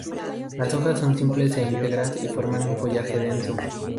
Las hojas son simples e íntegras y forman un follaje denso.